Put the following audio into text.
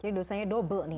jadi dosanya double nih